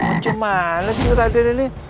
macem mana sih raden ini